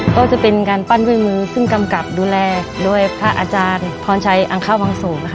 ก็จะเป็นการปั้นด้วยมือซึ่งกำกับดูแลด้วยพระอาจารย์พรชัยอังคาวังสูงนะคะ